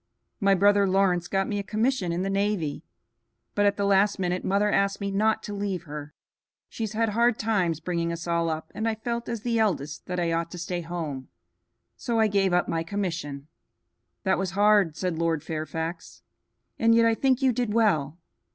"My brother Lawrence got me a commission in the navy, but at the last minute mother asked me not to leave her. She has had hard times bringing us all up, and I felt, as the eldest, that I ought to stay at home; so I gave up my commission." "That was hard," said Lord Fairfax, "and yet I think you did well.